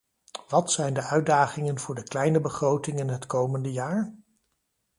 Wat zijn de uitdagingen voor de kleine begrotingen het komende jaar?